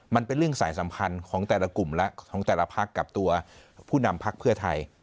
มันเป็นเรื่องสายสัมพันธ์ของแต่ละกลุ่มและของแต่ละพักกับตัวผู้นำพักเพื่อไทย